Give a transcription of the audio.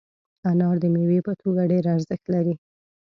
انار د میوې په توګه ډېر ارزښت لري.